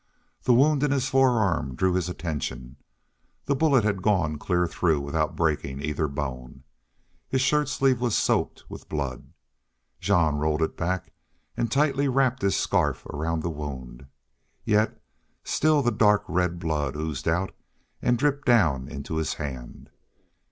The wound in his forearm drew his attention. The bullet had gone clear through without breaking either bone. His shirt sleeve was soaked with blood. Jean rolled it back and tightly wrapped his scarf around the wound, yet still the dark red blood oozed out and dripped down into his hand.